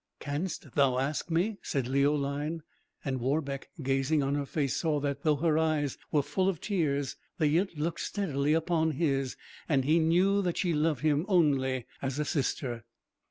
"Canst thou ask me?" said Leoline; and Warbeck, gazing on her face, saw that though her eyes were full of tears, they yet looked steadily upon his; and he knew that she loved him only as a sister.